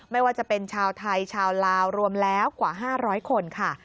ไม่ว่าจะเป็นชาวไทยชาวลาวรวมแล้วกว่า๕๐๐คนค่ะ